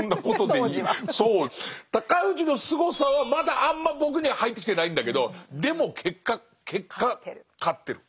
尊氏のすごさはまだあんま僕には入ってきてないんだけどでも結果結果勝ってる。